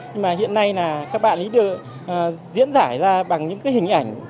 nhưng mà hiện nay là các bạn ấy được diễn giải ra bằng những cái hình ảnh